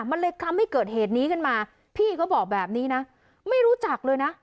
มันเลยทำให้เกิดเหตุนี้ขึ้นมาพี่เขาบอกแบบนี้นะไม่รู้จักเลยนะ